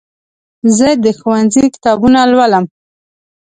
زه د ښوونځي کتابونه لولم.